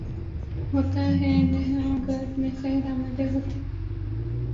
ہوتا ہے نہاں گرد میں صحرا مرے ہوتے